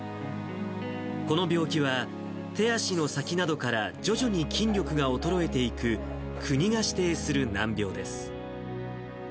この病気は、手足の先などから徐々に筋力が衰えていく、国が指定する難病です。